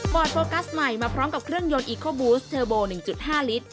โฟกัสใหม่มาพร้อมกับเครื่องยนต์อีโคบูสเทอร์โบ๑๕ลิตร